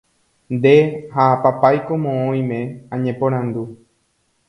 nde ha papáiko moõ oime añeporandu